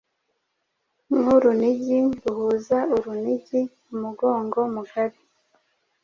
Nkurunigi ruhuza urunigi; Umugongo Mugari